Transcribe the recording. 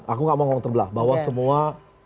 aku gak mau ngomong terbelah bahwa semua